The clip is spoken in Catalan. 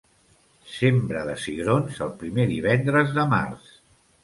Sembra de cigrons, el primer divendres de març.